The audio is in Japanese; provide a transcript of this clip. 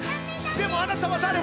でもあなたはだれ？